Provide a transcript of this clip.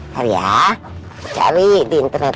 tar ya cari di internet